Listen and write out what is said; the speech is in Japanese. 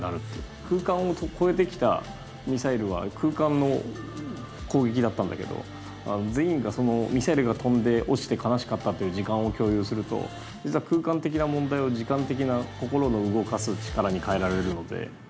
空間を超えてきたミサイルは空間の攻撃だったんだけど全員がそのミサイルが飛んで落ちて悲しかったっていう時間を共有すると実は空間的な問題を時間的な心の動かす力に変えられるので。